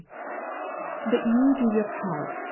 "You do your part.